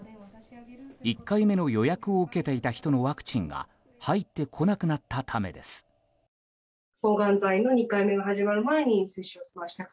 １回目の予約を受けていた人のワクチンは入ってこなくなったためです。